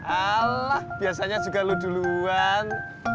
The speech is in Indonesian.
alah biasanya juga lu duluan